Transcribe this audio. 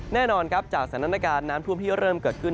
แน่นอนครับจากสถานการณ์น้ำท่วมที่เริ่มเกิดขึ้น